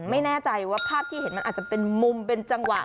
ไม่แน่ใจว่าภาพที่เห็นมันอาจจะเป็นมุมเป็นจังหวะ